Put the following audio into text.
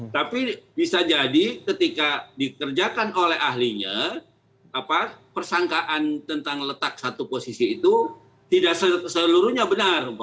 tapi bisa jadi ketika dikerjakan oleh ahlinya persangkaan tentang letak satu posisi itu tidak seluruhnya benar